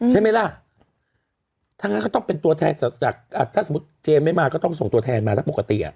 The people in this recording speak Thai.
ใช่ไหมล่ะถ้างั้นก็ต้องเป็นตัวแทนจากถ้าสมมุติเจมส์ไม่มาก็ต้องส่งตัวแทนมาถ้าปกติอ่ะ